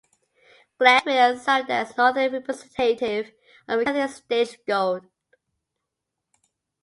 Gladwin also served as Northern representative of the Catholic Stage Guild.